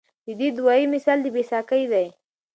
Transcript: د دې دوائي مثال د بې ساکۍ دے